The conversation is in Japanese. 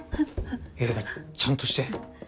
栄太ちゃんとして。